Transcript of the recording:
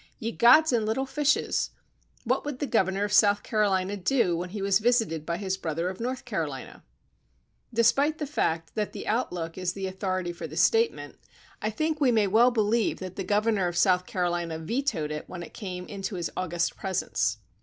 Ye gods and little fishes ! What would the governor of South Carolina do when he was visited by his brother of North Carolina? Despite the fact that the '' Outlook" is the* authority for the statement, I think we may well believe that the governor of South Caro lina vetoed it when it came into his august presence.